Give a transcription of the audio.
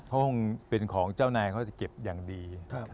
ห้องเป็นของเจ้านายเขาจะเก็บอย่างดี